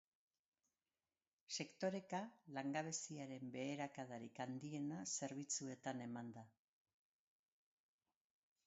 Sektoreka, langabeziaren beherakadarik handiena zerbitzuetan eman da.